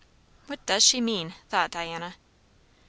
What does she mean? thought Diana.